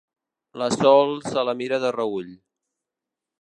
La Sol se la mira de reüll.